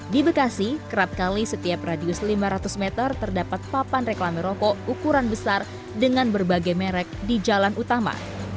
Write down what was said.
di bekasi kerap kali setiap radius lima ratus meter terdapat papan reklame rokok ukuran besar dengan berbagai merek di jalan utama